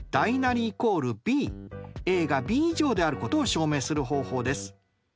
ＡがＢ以上であることを証明する方法です。